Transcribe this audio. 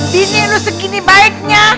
dinia lu segini baiknya